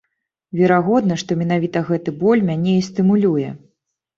Верагодна, што менавіта гэты боль мяне і стымулюе.